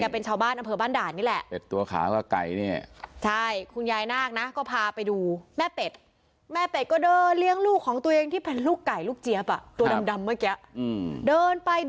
เป็นชาวบ้านอำเภอบ้านด่านนี่แหละ